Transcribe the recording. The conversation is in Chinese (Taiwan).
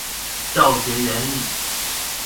教學原理